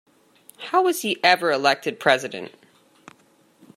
How was he ever elected President?